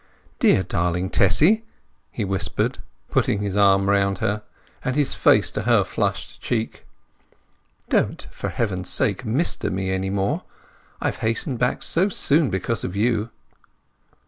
"Dear, darling Tessy!" he whispered, putting his arm round her, and his face to her flushed cheek. "Don't, for Heaven's sake, Mister me any more. I have hastened back so soon because of you!"